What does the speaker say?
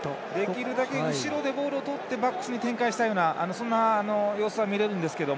できるだけ後ろでボールをとってバックスに展開したいようなそんな様子は見られるんですけど。